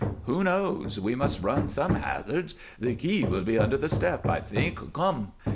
"Who knows? We must run some hazards. The key will be under the step, I think. Come!"